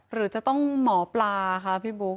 หรือจะต้องหมอปลาค่ะพี่บุ๊ค